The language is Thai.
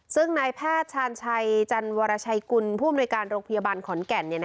ซึ่งนายแพทย์ชาญชัยจันวรชัยกุลผู้อำนวยการโรงพยาบาลขอนแก่น